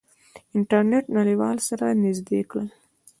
انټرنیټ نړیوال سره نزدې کړل.